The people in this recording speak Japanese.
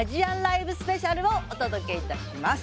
スペシャル！！」をお届けいたします。